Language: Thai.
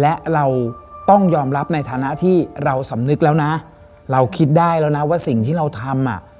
และเราต้องยอมรับในฐานะที่เราสำนึกแล้วนะเราคิดได้แล้วนะว่าสิ่งที่เราทำอ่ะ